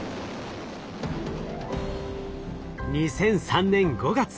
２００３年５月